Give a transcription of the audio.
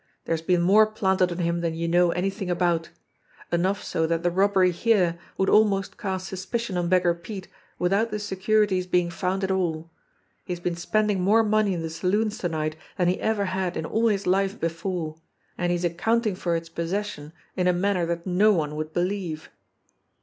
"There's been more planted on him than you know anything about ; enough so that the robbery here would almost cast suspicion on Beggar Pete without the securities being found at all. He has been spending more money in the saloons to night than he ever had in all his life before; and he is accounting for its pos session in a manner that no one would believe."